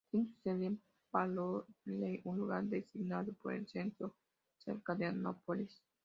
Tiene su sede en Parole, un lugar designado por el censo cerca de Annapolis.